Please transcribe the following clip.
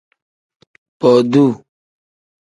Boduu.